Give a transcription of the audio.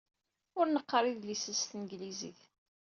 Ur neqqar idlisen s tanglizit.